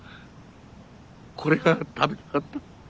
これが食べたかった。